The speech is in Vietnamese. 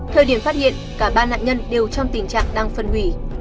thời điểm phát hiện cả ba nạn nhân đều trong tình trạng đang phân hủy